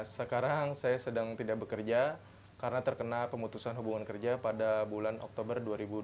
sekarang saya sedang tidak bekerja karena terkena pemutusan hubungan kerja pada bulan oktober dua ribu dua puluh